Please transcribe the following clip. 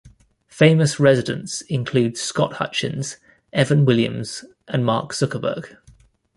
Famous residents include Scott Hutchins, Evan Williams and Mark Zuckerberg.